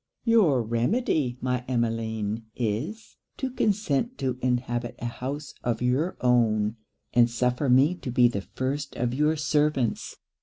'Your remedy, my Emmeline, is, to consent to inhabit a house of your own, and suffer me to be the first of your servants.'